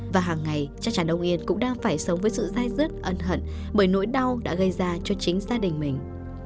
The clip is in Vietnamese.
và hàng ngày chắc chắn ông yên cũng đang phải sống với sự dai dứt ân hận bởi nỗi đau đã gây ra cho chính gia đình mình